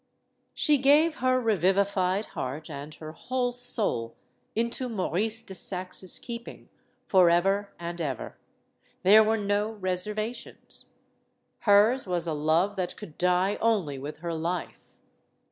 She gave her revivified heart and her whole soul into Maurice de Saxe's keeping, forever and ever. There were no reservations. Hers was a love that could die only with her life.